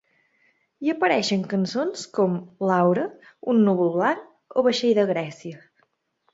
Hi apareixen cançons com “Laura”, “Un núvol blanc” o “Vaixell de Grècia”.